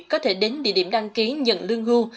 có thể đến địa điểm đăng ký nhận lương hưu